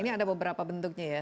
ini ada beberapa bentuknya ya